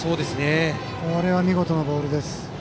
これは見事なボールです。